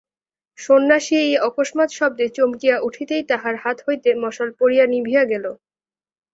সন্ন্যাসী এই অকস্মাৎ শব্দে চমকিয়া উঠিতেই তাহার হাত হইতে মশাল পড়িয়া নিবিয়া গেল।